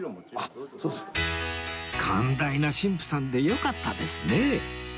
寛大な神父さんでよかったですね